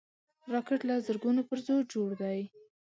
راکټ له زرګونو پرزو جوړ دی